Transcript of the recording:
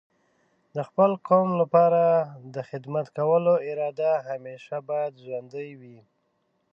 د خپل قوم لپاره د خدمت کولو اراده همیشه باید ژوندۍ وي.